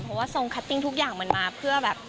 เพราะว่าทรงคัตติ้งทุกอย่างมันมาเพื่อแบบ